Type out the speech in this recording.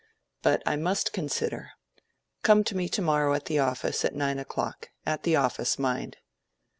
But I must consider. Come to me to morrow at the office, at nine o'clock. At the office, mind."